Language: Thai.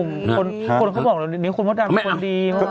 คนเขาบอกตอนนี้คนประดันคนดี